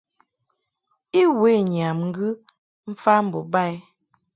I we nyam ŋgɨ mfa mbo ba i.